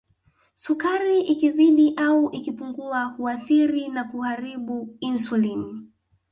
Sukari ikizidi au ikipungua huathiri na kuharibu Insulini